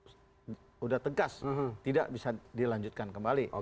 sudah tegas tidak bisa dilanjutkan kembali